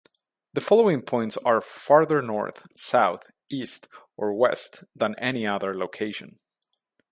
The following points are farther north, south, east or west than any other location.